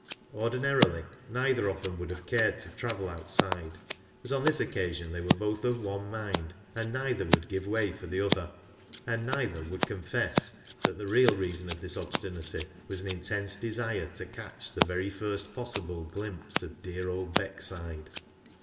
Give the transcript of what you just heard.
Ordinarily, neither of them would have cared to travel outside, but on this occasion they were both of one mind, and neither would give way for the other — and neither would confess that the real reason of this obstinacy was an intense desire to catch the very first possible glimpse of dear old Beckside.